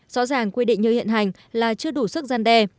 rõ ràng quy định như hiện hành là chưa đủ sức gian đe